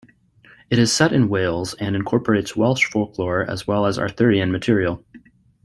It is set in Wales and incorporates Welsh folklore as well as Arthurian material.